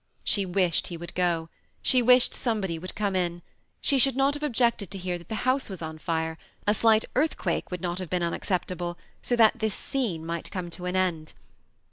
She wished he would go. She wished somebody would come in ; she should not have objected to hear that the house was on fire ; a slight earthquake would not have been unacceptable, so that this scene THE SEMI ATTACHED COUPLE. 209 might come to an end.